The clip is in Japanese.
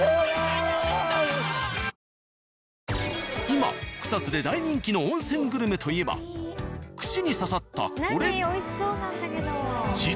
今草津で大人気の温泉グルメといえば串に刺さったこれ。何？